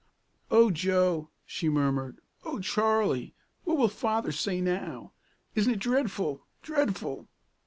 "O Joe!" she murmured. "O Charlie! Oh, what will Father say now! Isn't it dreadful, dreadful!"